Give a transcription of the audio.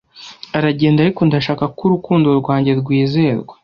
aragenda ariko ndashaka ku rukundo rwanjye rwizerwa